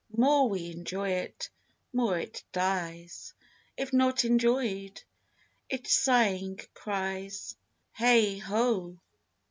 More we enjoy it, more it dies, If not enjoyed, it sighing cries, Heigh ho!